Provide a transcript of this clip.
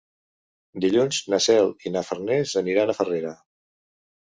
Dilluns na Cel i na Farners aniran a Farrera.